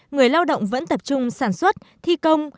người lao động vẫn tập trung sản xuất thi công